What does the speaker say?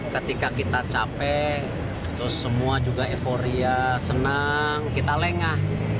ketika kita capek terus semua juga euforia senang kita lengah